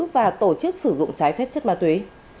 và tổ chức sử dụng trái phép chất ma túy